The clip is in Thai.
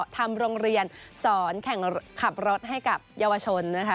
ทำโรงเรียนสอนแข่งขับรถให้กับเยาวชนนะคะ